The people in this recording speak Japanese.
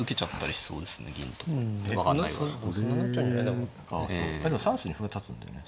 だけど３筋に歩が立つんだよね。